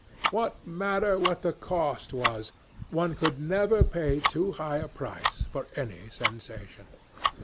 What matter what the cost was? One could never pay too high a price for any sensation.